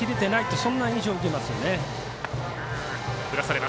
そんな印象を受けますね。